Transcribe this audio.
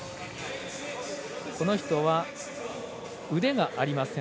この人は腕がありません。